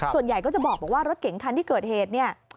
ส่วนใหญ่ก็จะบอกว่ารถเก๋งคันที่เกิดเหตุเนี่ย